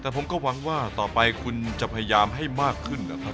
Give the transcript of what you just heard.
แต่ผมก็หวังว่าต่อไปคุณจะพยายามให้มากขึ้นนะครับ